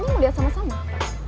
wow terima kasih